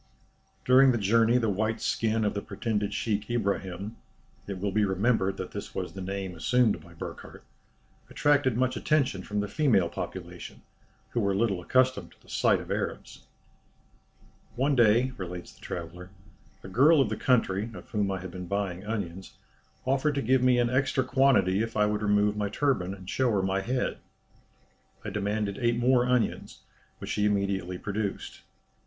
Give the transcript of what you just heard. During the journey the white skin of the pretended sheik Ibrahim (it will be remembered that this was the name assumed by Burckhardt) attracted much attention from the female population, who were little accustomed to the sight of Arabs. "One day," relates the traveller, "a girl of the country, of whom I had been buying onions, offered to give me an extra quantity if I would remove my turban, and show her my head. I demanded eight more onions, which she immediately produced.